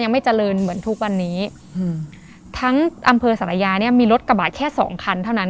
ไม่เจริญเหมือนทุกวันนี้อืมทั้งอำเภอสารยาเนี้ยมีรถกระบะแค่สองคันเท่านั้น